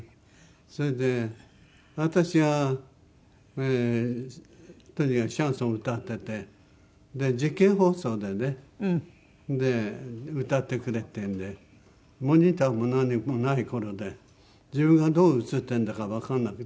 それで私がとにかくシャンソン歌ってて実験放送でね歌ってくれっていうんでモニターも何もない頃で自分がどう映ってるんだかわからなくてね。